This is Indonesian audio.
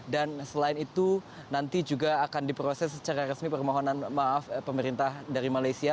dan selain itu nanti juga akan diproses secara resmi permohonan maaf pemerintah dari malaysia